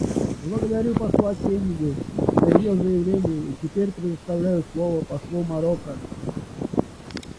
Благодарю посла Кеннеди за ее заявление и теперь предоставляю слово послу Марокко.